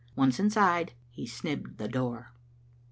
Once inside, he snibbed the door.